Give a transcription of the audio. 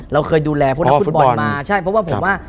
เราเคยดูแลพวกนักฟุตบอลมาใช่เพราะว่าผมว่า